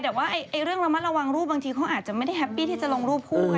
แต่ว่าเรื่องรายมะระวังรูปบางทีเขาอาจจะไม่ได้ร่วมด้วยที่จะลงรูปพูกัน